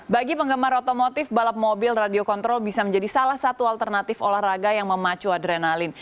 bagi penggemar otomotif balap mobil radio kontrol bisa menjadi salah satu alternatif olahraga yang memacu adrenalin